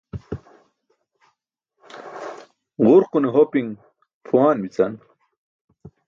Ġurqune hopiṅ pʰuwaan bi̇can.